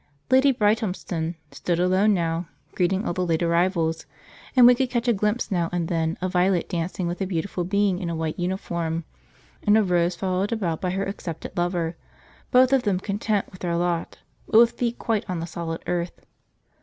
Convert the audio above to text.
Lady Brighthelmston stood alone now, greeting all the late arrivals; and we could catch a glimpse now and then of Violet dancing with a beautiful being in a white uniform, and of Rose followed about by her accepted lover, both of them content with their lot, but with feet quite on the solid earth.